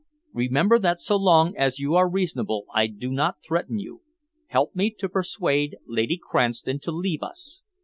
Remember that so long as you are reasonable I do not threaten you. Help me to persuade Lady Cranston to leave us."